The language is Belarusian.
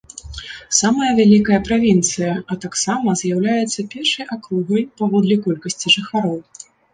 Самая вялікая правінцыя, а таксама з'яўляецца першай акругай паводле колькасці жыхароў.